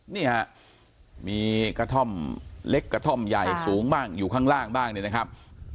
นี่ฮะมีกระท่อมเล็กกระท่อมใหญ่สูงบ้างอยู่ข้างล่างบ้างเนี่ยนะครับ